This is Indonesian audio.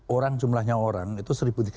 orang jumlahnya orang itu satu tiga ratus